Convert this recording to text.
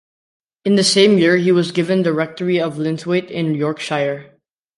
In the same year he was given the rectory of Linthwaite in Yorkshire.